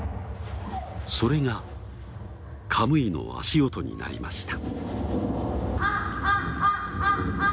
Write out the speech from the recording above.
それがカムイの足音になりました。